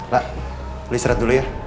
lah lo israt dulu ya